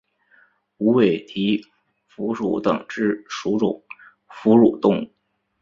无尾蹄蝠属等之数种哺乳动物。